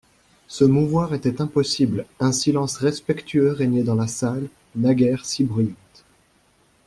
Se mouvoir était impossible: un silence respectueux régnait dans la salle, naguère si bruyante.